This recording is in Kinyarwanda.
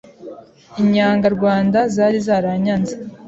inyangarwanda zari zaranyaze